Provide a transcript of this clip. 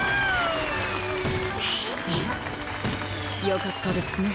よかったですね。